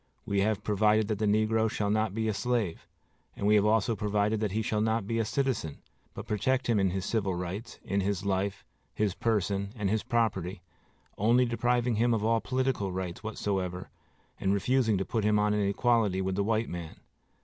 We have provided that the negro shall not be a slave; and we have also provided that he shall not be a citizen, but protect him in his civil rights, in his life, his person, and his property, only depriving him of all political rights whatsoever and refusing to put him on an equality with the white man.